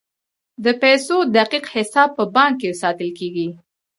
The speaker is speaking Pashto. د پیسو دقیق حساب په بانک کې ساتل کیږي.